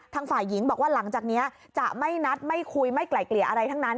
ฝ่ายหญิงบอกว่าหลังจากนี้จะไม่นัดไม่คุยไม่ไกลเกลี่ยอะไรทั้งนั้น